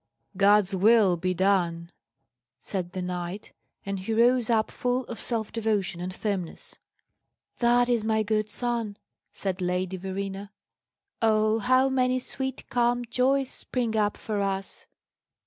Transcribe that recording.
"God's will be done!" said the knight, and he rose up full of self devotion and firmness. "That is my good son," said the Lady Verena. "Ah! how many sweet calm joys spring up for us!